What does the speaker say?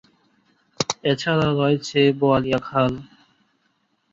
এছাড়াও রয়েছে বোয়ালিয়া খাল।